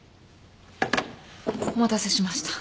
お待たせしました。